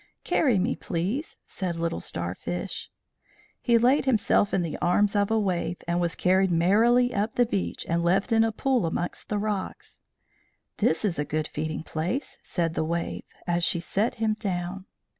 "Carry me, please," said Little Starfish. He laid himself in the arms of a wave and was carried merrily up the beach and left in a pool amongst the rocks. "This is a good feeding place," said the wave, as she set him down.